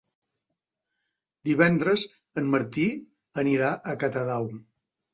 Divendres en Martí anirà a Catadau.